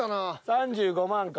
３５万か。